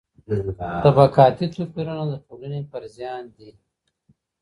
طبقاتي توپیرونه د ټولني پر زیان دي.